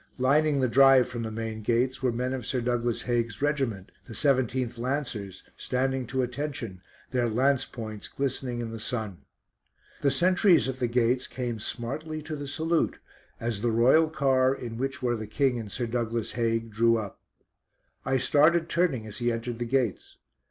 Lining the drive from the main gates were men of Sir Douglas Haig's regiment, the 17th Lancers, standing to attention, their lance points glistening in the sun. The sentries at the gates came smartly to the salute as the royal car, in which were the King and Sir Douglas Haig, drew up. I started turning as he entered the gates.